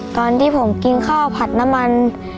ตอนที่ผมกินข้าวผัดน้ำมัน